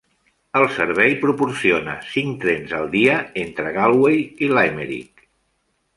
El servei proporciona cinc trens al dia entre Galway i Limerick.